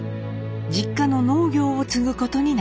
実家の農業を継ぐことになりました。